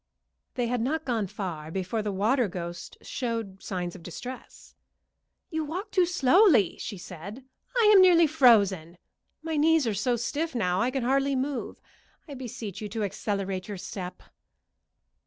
They had not gone far before the water ghost showed signs of distress. "You walk too slowly," she said. "I am nearly frozen. My knees are so stiff now I can hardly move. I beseech you to accelerate your step."